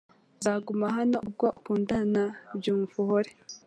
Uzaguma hano, ubwo ukundana na Byumvuhore .